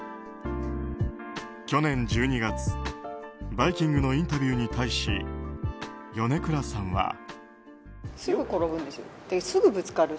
去年１２月、「バイキング」のインタビューに対し米倉さんは。